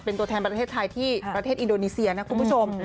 เป็นตัวแทนประเทศไทยที่ประเทศอินโดนีเซียนะคุณผู้ชม